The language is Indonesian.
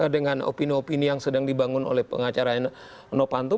dengan opini opini yang sedang dibangun oleh pengacara novanto